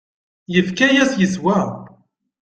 Yefka-yas yeswa.